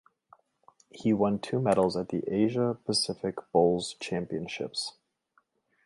He won two medals at the Asia Pacific Bowls Championships.